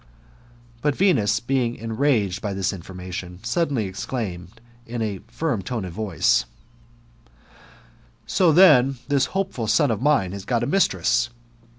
But Venus, being enraged at the information, suddenly exclaimed, in a firm tone of voice, '* So, then, this hopeful son of mine has got a mistress